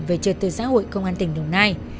về trật tự xã hội công an tỉnh đồng nai